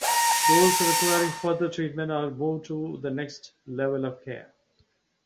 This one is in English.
Those requiring further treatment are moved to the next level of care.